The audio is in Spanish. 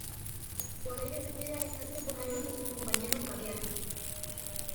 Por ello decide alejarse por años de sus compañeros radiales.